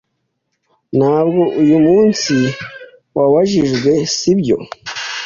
Ntabwo uyu munsi wabajijwe, si byo?